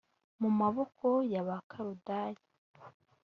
mu maboko y abakaludaya